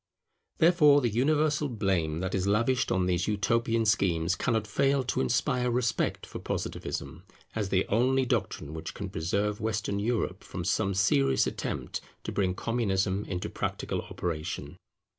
Therefore the universal blame that is lavished on these utopian schemes cannot fail to inspire respect for Positivism, as the only doctrine which can preserve Western Europe from some serious attempt to bring Communism into practical operation.